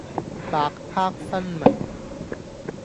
白黑分明